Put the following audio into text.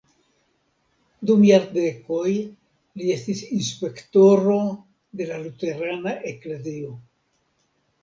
Dum jardekoj li estis inspektoro de la luterana eklezio.